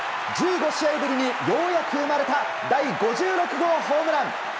１５試合ぶりにようやく生まれた第５６号ホームラン。